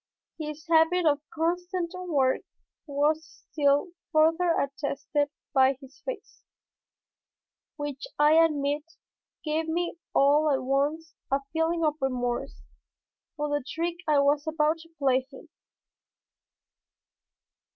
His habit of constant work was still further attested by his face, which I admit, gave me all at once a feeling of remorse for the trick I was about to play him.